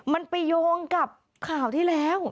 มันไปโยงกับข่าวที่แล้ว